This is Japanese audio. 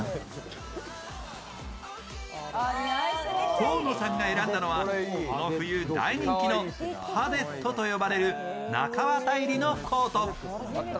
河野さんが選んだのはこの冬大人気のパデッドと呼ばれる中綿入りのコート。